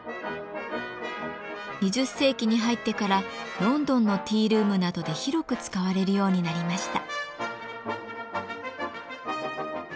２０世紀に入ってからロンドンのティールームなどで広く使われるようになりました。